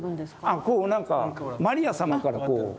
あこうなんかマリア様からこう。